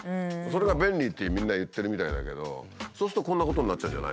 それが便利ってみんな言ってるみたいだけどそうするとこんなことになっちゃうんじゃないの？